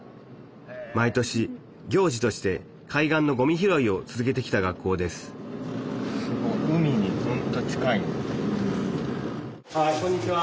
毎年行事として海岸のごみ拾いを続けてきた学校ですあこんにちは。